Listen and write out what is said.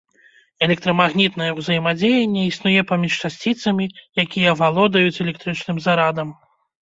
Электрамагнітнае ўзаемадзеянне існуе паміж часціцамі, якія валодаюць электрычным зарадам.